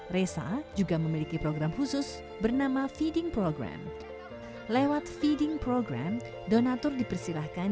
resa juga memiliki program khusus bernama feeding program lewat feeding program donatur dipersilahkan